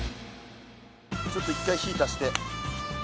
ちょっと一回火ぃ足して。